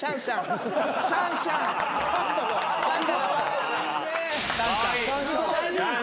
シャンシャンだ。